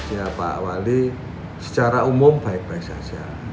ya pak wali secara umum baik baik saja